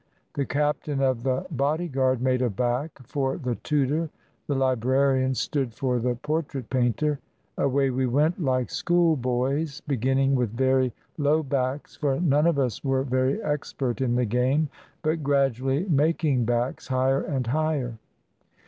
The captain of the body guard "made a back" for the tutor, the librarian stood for the portrait painter. Away we went, like schoolboys, beginning with very "low backs," for none of us were very expert in the game, but gradually "making backs" higher and higher.